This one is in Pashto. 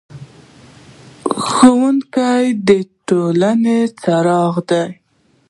ښوونکی د ټولنې څراغ دی.